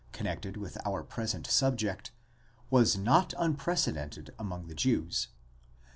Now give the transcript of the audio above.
connected with our present subject, was not unprecedented among the Jews.